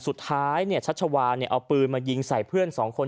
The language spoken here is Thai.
สุดท้ายชัชชาวาลเอาปืนมายิงใส่เพื่อน๒คน